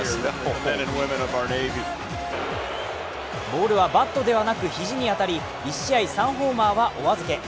ボールはバットではなく肘に当たり１試合３ホーマーはお預け。